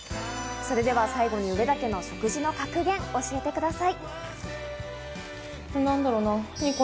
それでは最後に上田家の食事の格言を教えてください。